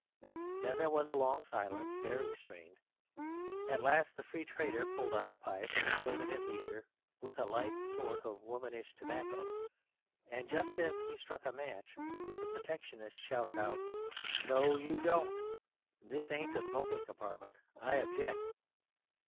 Then there was a long silence: very strained. At last the Free Trader pulled out a pipe and filled it at leisure, with a light sort of womanish tobacco, and just as he struck a match the Protectionist shouted out, "No you don't! This ain't a smoking compartment. I object!"